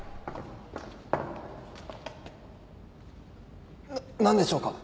な何でしょうか？